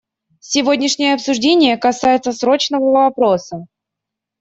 Сегодняшнее обсуждение касается срочного вопроса.